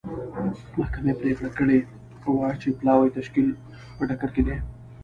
محکمې پرېکړه کړې وه چې پلاوي تشکیل په ټکر کې دی.